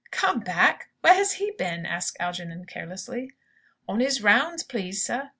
"Come back! Where has he been?" asked Algernon, carelessly. "On 'is rounds, please, sir."